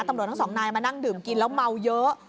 ตำรวจทั้งสองนายมานั่งดื่มกินแล้วเมาเยอะ